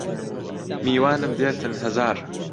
میوانم دێتن هەزار